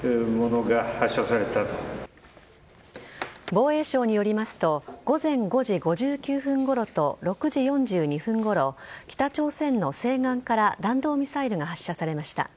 防衛省によりますと午前５時５９分ごろと６時４２分ごろ北朝鮮の西岸から弾道ミサイルが発射されました。